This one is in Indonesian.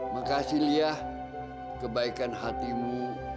makasih lia kebaikan hatimu